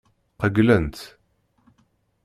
Qeyylent.